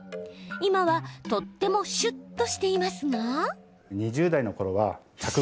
今はとてもしゅっとしていますが。